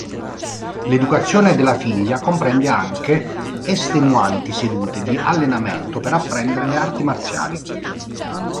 L'educazione della figlia comprende anche estenuanti sedute di allenamento per apprendere le arti marziali.